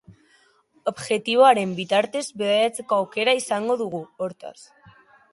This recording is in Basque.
Objektiboaren bitartez bidaiatzeko aukera izango dugu, hortaz.